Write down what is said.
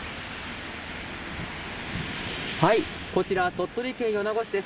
こちら鳥取県米子市です。